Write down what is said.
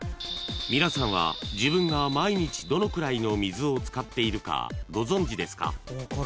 ［皆さんは自分が毎日どのくらいの水を使っているかご存じですか？］